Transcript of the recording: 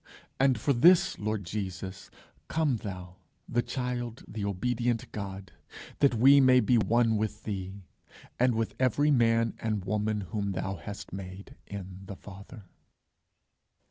And for this, Lord Jesus, come thou, the child, the obedient God, that we may be one with thee, and with every man and woman whom thou hast made, in the Father.